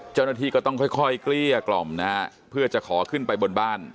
เจ้าหน้าที่ก็ต้องค่อยเกลี้ยกล่อมนะฮะเพื่อจะขอขึ้นไปบนบ้าน